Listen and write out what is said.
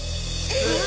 えっ？